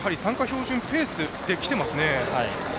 標準ペースできてますね。